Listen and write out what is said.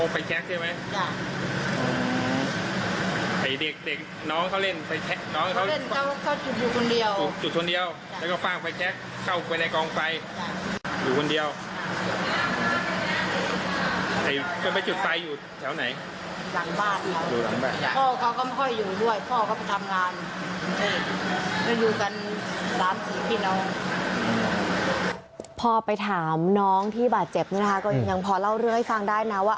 พี่น้องพ่อไปถามน้องที่บาดเจ็บนะฮะก็ยังพอเล่าเรื่อยฟังได้นะว่า